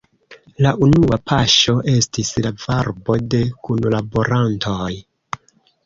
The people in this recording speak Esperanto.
La unua paŝo estis la varbo de kunlaborantoj.